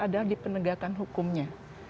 adalah di penegakan hukumnya